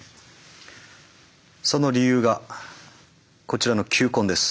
その理由がこちらの球根です。